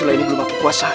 harus bisa menemukan used